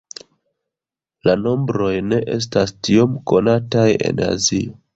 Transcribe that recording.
La nombroj ne estas tiom konataj en Azio.